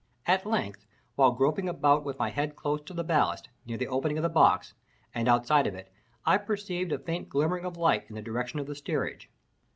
At length, while groping about, with my head close to the ballast, near the opening of the box, and outside of it, I perceived a faint glimmering of light in the direction of the steerage.